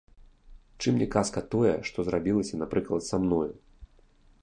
Чым не казка тое, што зрабілася, напрыклад, са мною?